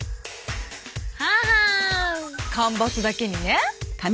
ははん干ばつだけにね。